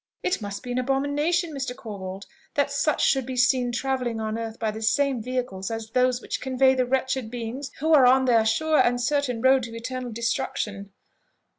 It must be an abomination, Mr. Corbold, that such should be seen travelling on earth by the same vehicles as those which convey the wretched beings who are on their sure and certain road to eternal destruction!"